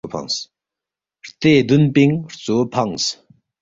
ہرتے دُون پِنگ ہرژو فنگس